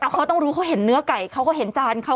เขาต้องรู้เขาเห็นเนื้อไก่เขาก็เห็นจานเขา